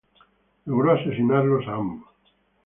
Logró asesinarlos a ambos.